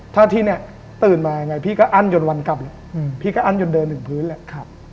ถ้าที่เนี่ยตื่นมายังไงพี่ก็อั้นยนต์วันกลับเลยพี่ก็อั้นยนเดินถึงพื้นแหละ